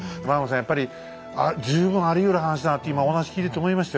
やっぱり十分ありうる話だなって今お話聞いてて思いましたよ。